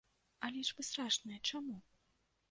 А лічбы страшныя чаму?